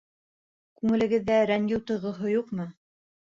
Күңелегеҙҙә рәнйеү тойғоһо юҡмы?